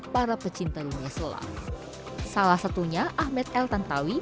para pecinta dunia selam salah satunya ahmed el tantawi